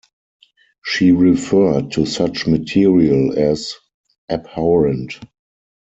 She referred to such material as "abhorrent".